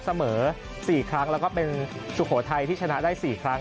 เสมอ๔ครั้งแล้วก็เป็นสุโขทัยที่ชนะได้๔ครั้ง